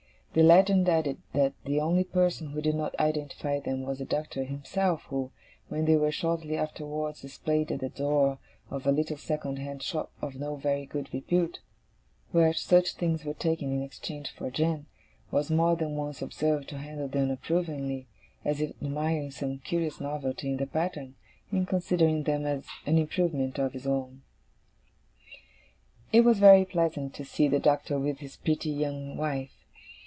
The legend added that the only person who did not identify them was the Doctor himself, who, when they were shortly afterwards displayed at the door of a little second hand shop of no very good repute, where such things were taken in exchange for gin, was more than once observed to handle them approvingly, as if admiring some curious novelty in the pattern, and considering them an improvement on his own. It was very pleasant to see the Doctor with his pretty young wife.